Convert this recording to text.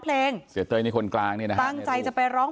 เพลงที่สุดท้ายเสียเต้ยมาเสียชีวิตค่ะ